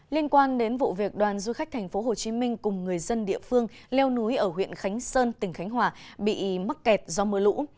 liên quan đến vụ việc đoàn du khách tp hcm cùng người dân địa phương leo núi ở huyện khánh sơn tỉnh khánh hòa bị mắc kẹt do mưa lũ